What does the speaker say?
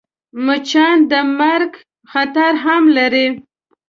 مچان د مرګ خطر هم لري